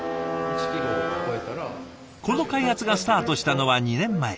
この開発がスタートしたのは２年前。